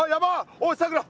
おいさくら！